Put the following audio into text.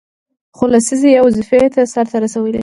څو لسیزې یې وظیفه سرته رسولې ده.